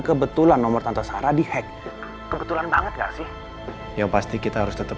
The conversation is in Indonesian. kebetulan nomor tante sarah dihack kebetulan banget gak sih yang pasti kita harus tetap